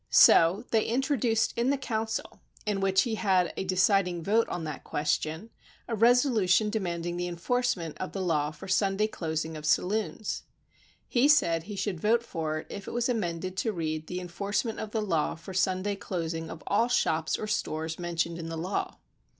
So they introduced in the council in which he had the deciding vote on that question, a reso lu'tion demanding the enforcement of the law for Sunday closing of saloons. He said he should vote for it if it was amended to read the enforcement of the law for Sunday clos ing of all shops or stores mentioned in the law.